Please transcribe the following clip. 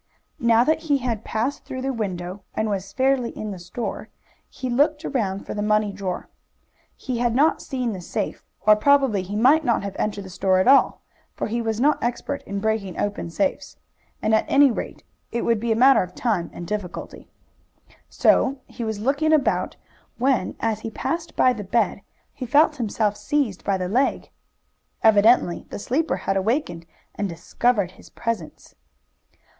Now that he had passed through the window, and was fairly in the store, he looked round for the money drawer. He had not seen the safe, or probably he might not have entered the store at all, for he was not expert in breaking open safes, and at any rate it would be a matter of time and difficulty. So he was looking about when, as he passed by the bed, he felt himself seized by the leg. Evidently the sleeper had awakened and discovered his presence.